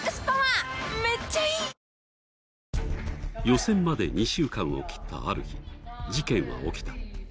予選まで２週間を切ったある日事件は起きた。